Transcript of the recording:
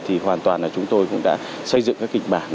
thì hoàn toàn là chúng tôi cũng đã xây dựng các kịch bản